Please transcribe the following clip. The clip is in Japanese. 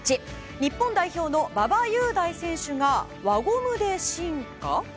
日本代表の馬場雄大選手が輪ゴムで進化？